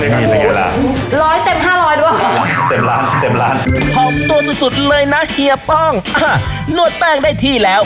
เต็มร้านตัวสุดเลยน่ะเฮียป้องอ่านวดแป้งได้ที่แล้ว